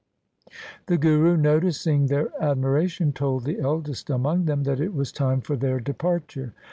The Guru noticing their admira tion told the eldest among them that it was time for their departure.